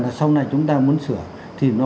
là sau này chúng ta muốn sửa thì nó